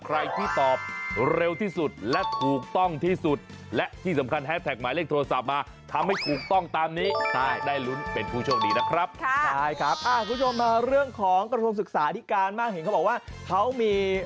เขาบอกว่าเขามีบอกมาว่าจะยกเลิกเรื่องของทรงผม